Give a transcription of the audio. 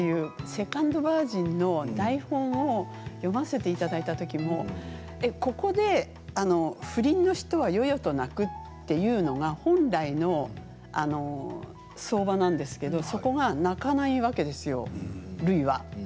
「セカンドバージン」の台本を読ませていただいたときもここで不倫の人は、よよと泣くっていうのが本来の相場なんですけどそこが泣かないわけですよるいは。